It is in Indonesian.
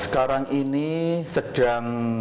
sekarang ini sedang di dalam perjalanan